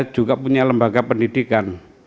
juga punya lembaga pendidikan